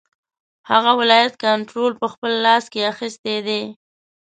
هغه ولایت کنټرول په خپل لاس کې اخیستی دی.